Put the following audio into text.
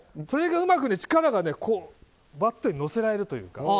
それがうまく力がバットに乗せられるというか。